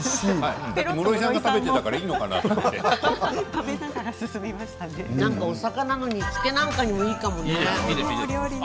室井さんが食べていたからいいかなと思ってお魚の煮付けなんかにもいいかもね。